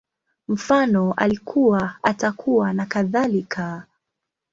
Mfano, Alikuwa, Atakuwa, nakadhalika